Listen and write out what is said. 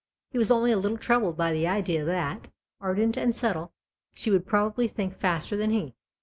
He was only a little troubled by the idea that, ardent and subtle, she would probably think faster than he.